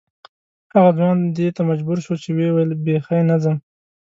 هغه ځوان دې ته مجبور شو چې ویې ویل بې خي نه ځم.